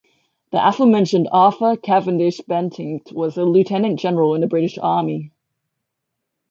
The aforementioned Arthur Cavendish-Bentinck was a lieutenant-general in the British Army.